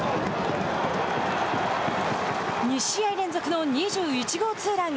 ２試合連続の２１号ツーラン。